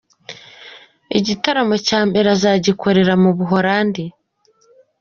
Igitaramo cya mbere azagikorera mu Buholandi.